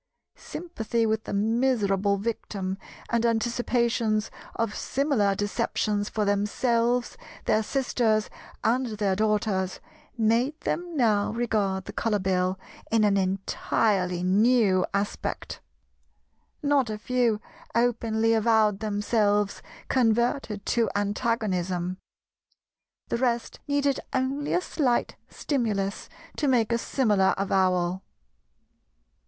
Sympathy with the miserable victim and anticipations of similar deceptions for themselves, their sisters, and their daughters, made them now regard the Colour Bill in an entirely new aspect. Not a few openly avowed themselves converted to antagonism; the rest needed only a slight stimulus to make a similar avowal.